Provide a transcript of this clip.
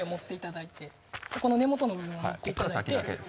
ここの根元の部分を持っていただいて。